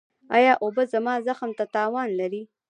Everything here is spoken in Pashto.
ایا اوبه زما زخم ته تاوان لري؟